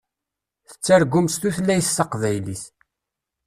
Tettargum s tutlayt taqbaylit.